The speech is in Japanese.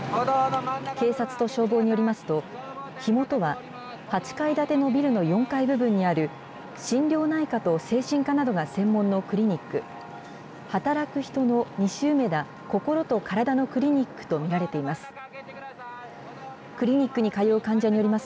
警察と消防によりますと、火元は８階建てのビルの４階部分にある、心療内科と精神科などが専門のクリニック、働く人の西梅田こころとからだのクリニックと見られています。